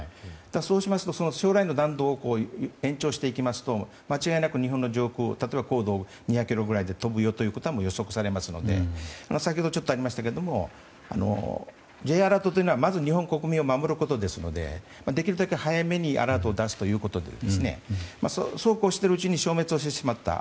そうしますと将来の弾道を延長すると間違いなく日本の上空２００ｋｍぐらいで飛ぶことが予測されますので先ほど、ちょっとありましたけどＪアラートというのは、まずは日本国民を守ることですのでできるだけ早くＪアラートを出すということでそうこうしてるうちに消滅してしまった。